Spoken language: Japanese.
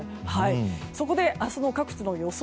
そこで、明日の各地の予想